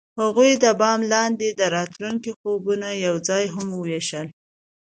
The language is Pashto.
هغوی د بام لاندې د راتلونکي خوبونه یوځای هم وویشل.